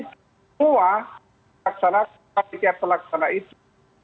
semua pelaksanaan itu